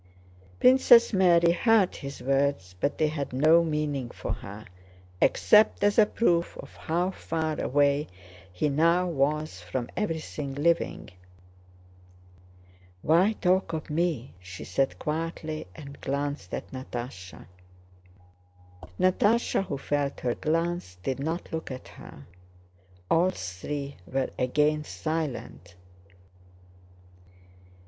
Princess Mary heard his words but they had no meaning for her, except as a proof of how far away he now was from everything living. "Why talk of me?" she said quietly and glanced at Natásha. Natásha, who felt her glance, did not look at her. All three were again silent.